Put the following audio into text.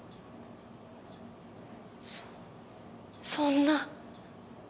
そそんな。